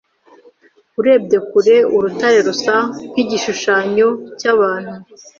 Urebye kure, urutare rusa nkigishushanyo cyabantu